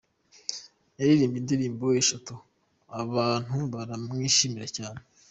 Yaririmbye indirimbo eshatu, abantu baramwishimira cyane.